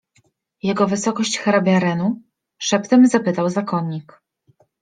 Jego wysokość hrabia Renu? — szeptem zapytał zakonnik.